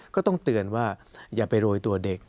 ก็ต้องเตือนว่าอย่าไปโรยตัวเด็ก